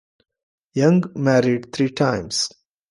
Young married three times.